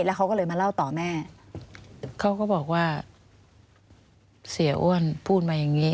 แล้วเขาก็เลยมาเล่าต่อแม่เขาก็บอกว่าเสียอ้วนพูดมาอย่างนี้